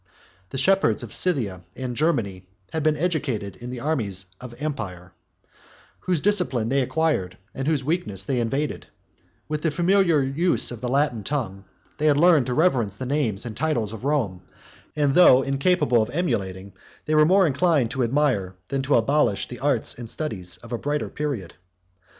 The shepherds of Scythia and Germany had been educated in the armies of the empire, whose discipline they acquired, and whose weakness they invaded: with the familiar use of the Latin tongue, they had learned to reverence the name and titles of Rome; and, though incapable of emulating, they were more inclined to admire, than to abolish, the arts and studies of a brighter period.